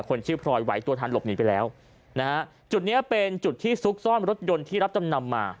คนชื่อพลอยไหวตัวทันหลบหนีไปแล้วนะฮะจุดเนี้ยเป็นจุดที่ซุกซ่อนรถยนต์ที่รับจำนำมา